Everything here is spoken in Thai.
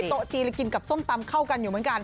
โต๊ะจีนกินกับส้มตำเข้ากันอยู่เหมือนกัน